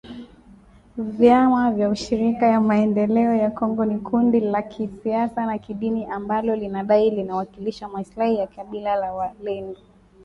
Vyama vya ushirika ya maendeleo ya Kongo ni kundi la kisiasa na kidini ambalo linadai linawakilisha maslahi ya kabila la walendu